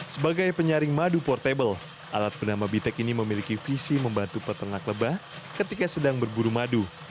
sebagai penyaring madu portable alat bernama bitek ini memiliki visi membantu peternak lebah ketika sedang berburu madu